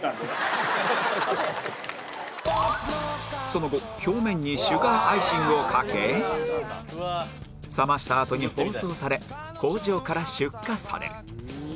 その後表面にシュガーアイシングをかけ冷ましたあとに包装され工場から出荷される